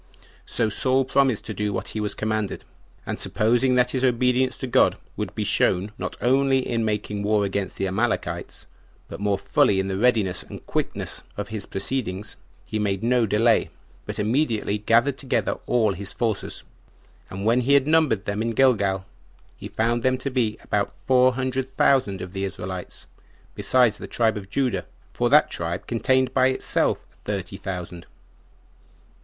15 2. So Saul promised to do what he was commanded; and supposing that his obedience to God would be shown, not only in making war against the Amalekites, but more fully in the readiness and quickness of his proceedings, he made no delay, but immediately gathered together all his forces; and when he had numbered them in Gilgal, he found them to be about four hundred thousand of the Israelites, besides the tribe of Judah, for that tribe contained by itself thirty thousand.